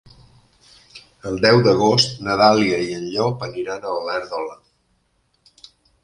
El deu d'agost na Dàlia i en Llop aniran a Olèrdola.